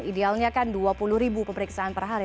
idealnya kan dua puluh ribu pemeriksaan per hari